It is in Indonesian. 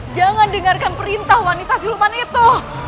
jangan dengarkan perintah wanita sulman itu